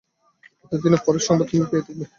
এতদিনে ফক্সের সংবাদ তুমি পেয়ে থাকবে।